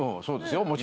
そうですよ